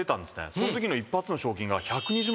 そのときの一発の賞金が。